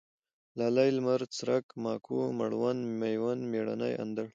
لالی ، لمرڅرک ، ماکو ، مړوند ، مېوند ، مېړنی، اندړ